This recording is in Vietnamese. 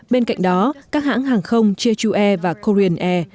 bên cạnh đó các hãng hàng không jeju air và korean air